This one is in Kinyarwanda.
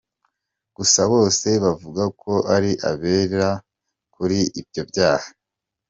Gusa bose bavuga ko ari abere kuri ibi byaha.